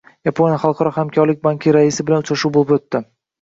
Yaponiya xalqaro hamkorlik banki raisi bilan uchrashuv bo‘lib o‘tdi